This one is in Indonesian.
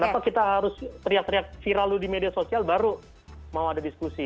kenapa kita harus teriak teriak viral di media sosial baru mau ada diskusi